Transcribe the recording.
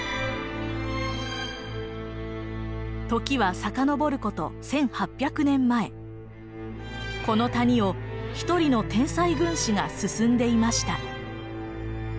時は遡ること１，８００年前この谷を一人の天才軍師が進んでいました。